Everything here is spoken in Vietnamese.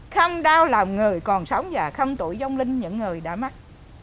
không đau làm người còn sống và không tội dông linh những người đã mất